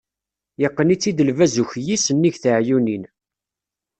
Yeqqen-itt-id lbaz ukyis, nnig teɛyunin.